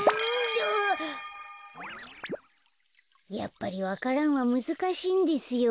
やっぱりわか蘭はむずかしいんですよ。